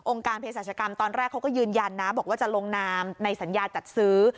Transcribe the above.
การเพศรัชกรรมตอนแรกเขาก็ยืนยันนะบอกว่าจะลงนามในสัญญาจัดซื้อ